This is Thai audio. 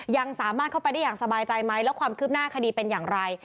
ยังสามารถเข้าไปได้อย่างสบายใจไหมแล้วความคืบหน้าคดีเป็นอย่างไร